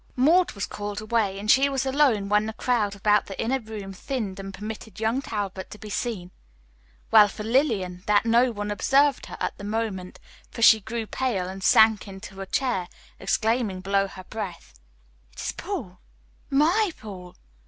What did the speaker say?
Maud was called away, and she was alone when the crowd about the inner room thinned and permitted young Talbot to be seen. Well for Lillian that no one observed her at that moment, for she grew pale and sank into a chair, exclaiming below her breath, "It is Paul my Paul!"